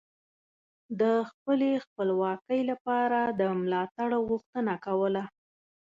د خپلې خپلواکۍ لپاره د ملاتړ غوښتنه کوله